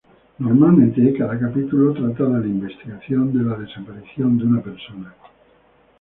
Normalmente cada capítulo trata de la investigación de la desaparición de una persona.